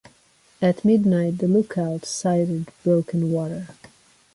At midnight the lookouts sighted broken water.